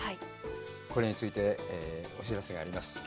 これについてお知らせがあります。